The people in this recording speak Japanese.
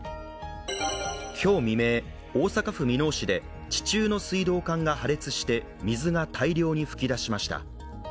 今日未明、大阪府箕面市で地中の水道管が破裂して水が大量に噴き出しました。